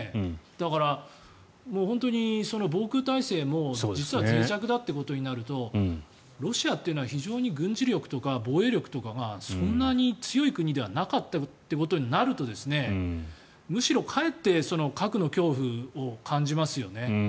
だから本当に防空体制も実は、ぜい弱だとなるとロシアっていうのは非常に軍事力とか防衛力とかがそんなに強い国ではなかったということになるとむしろ、かえって核の恐怖を感じますよね。